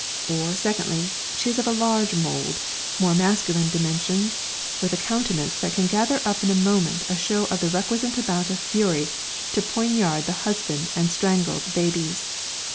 Or, secondly, she is of a large mould, more masculine dimensions, with a countenance that can gather up in a moment a show of the requisite amount of fury to poignard the husband and strangle the babbies.